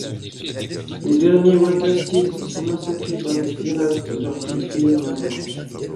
Les derniers Wattassides sont massacrés par des pirates alors qu'ils fuyaient le Maroc.